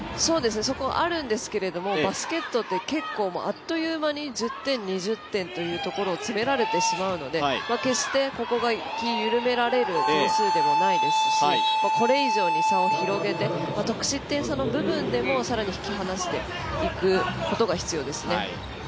そこはあるんですけどバスケットって結構あっという間に１０点、２０点というところを詰められてしまうので決して、ここが気を緩められる点数でもないですしこれ以上に差を広げて得失点差の部分でも更に引き離していくことが必要ですね。